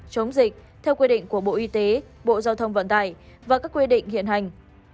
chống dịch theo quy định của bộ y tế bộ giao thông vận tải và các quy định hiện hành